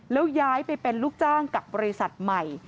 แล้วย้ายไปเป็นลูกจ้างกับบริษัทใหม่